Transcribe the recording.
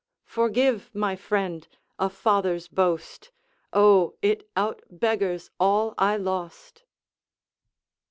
Forgive, my friend, a father's boast, O, it out beggars all I lost!'